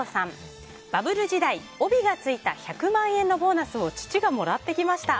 バブル時代、帯がついた１００万円のボーナスを父がもらってきました。